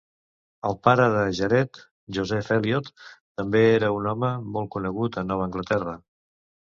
El pare de Jared, Joseph Eliot, també era un home molt conegut a Nova Anglaterra.